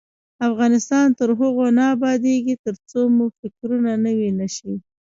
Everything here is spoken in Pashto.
افغانستان تر هغو نه ابادیږي، ترڅو مو فکرونه نوي نشي.